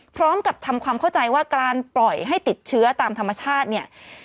พร้อมกับทำความเข้าใจว่าการปล่อยให้ติดเชื้อตามธรรมชาติเนี่ย